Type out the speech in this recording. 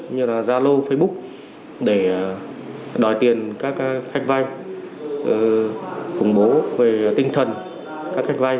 như zalo facebook để đòi tiền các khách vai phủng bố về tinh thần các khách vai